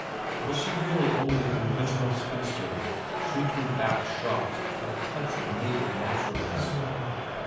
Was she really only a conventional spinster, shrinking back shocked at a touch of naked naturalness